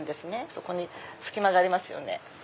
そこに隙間がありますよね。